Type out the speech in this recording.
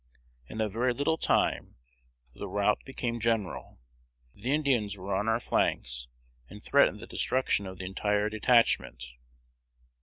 In a very little time the rout became general. The Indians were on our flanks, and threatened the destruction of the entire detachment.